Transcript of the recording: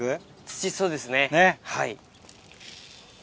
土そうですねはい。